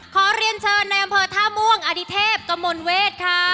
ขอเรียนเชิญในอำเภอท่าม่วงอดิเทพกมลเวทค่ะ